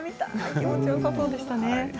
気持ちよさそうでしたね。